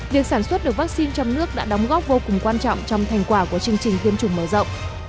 việc sản xuất được vaccine trong nước đã đóng góp vô cùng quan trọng trong thành quả của chương trình tiêm chủng mở rộng